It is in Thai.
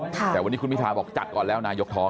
แต่วันนี้คุณพิทาบอกจัดก่อนแล้วนายกท้อง